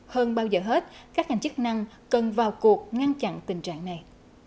hơn bao giờ hết các ngành chức năng cần vào cuộc ngăn chặn tình trạng này